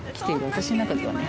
私の中ではね。